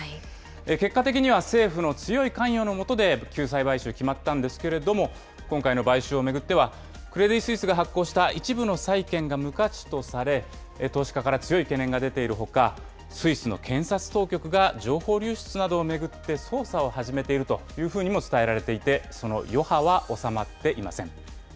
結果的には政府の強い関与の下で救済買収決まったんですけれども、今回の買収を巡っては、クレディ・スイスが発行した一部の債券が無価値とされ、投資家から強い懸念が出ているほか、スイスの検察当局が情報流出などを巡って、捜査を始めているというふうにも伝えられていて、その余波は収まっていません。